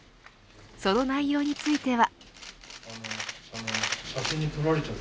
その内容については。